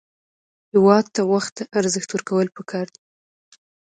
هېواد ته وخت ته ارزښت ورکول پکار دي